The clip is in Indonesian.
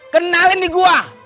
kenalin nih gua